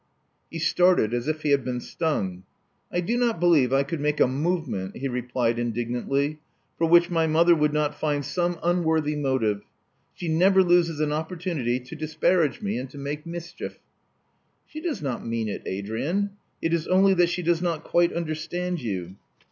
He started as if he had been stung. I do not believe I could make a movement," he replied indig nantly, "for which my mother would not find some unworthy motive. She never loses an opporttmity to disparage me and to make mischief." "She does not mean it, Adrian. It is only that she does not quite understand you.